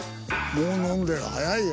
もう飲んでる早いよ。